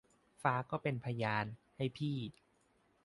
ฟ้าก็เป็นพยาน ให้พี่